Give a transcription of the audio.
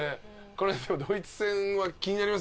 これでもドイツ戦は気になりますよね。